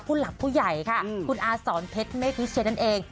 ผู้หลักผู้ใหญ่ค่ะคุณอาสอนเพชรเมฆวิเชียนั่นเอง